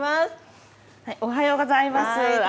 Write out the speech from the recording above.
おはようございます。